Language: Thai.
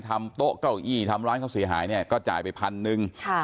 โต๊ะเก้าอี้ทำร้านเขาเสียหายเนี่ยก็จ่ายไปพันหนึ่งค่ะ